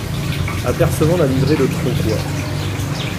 Apercevant la livrée de Tronquoy.